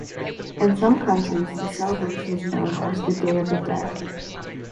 In some countries the celebration is known as the "Day of the Dead".